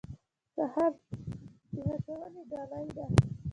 سهار د هڅونې ډالۍ ده.